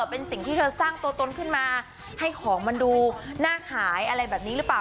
เป็นสิ่งที่เธอสร้างตัวตนขึ้นมาให้ของมันดูน่าขายอะไรแบบนี้หรือเปล่า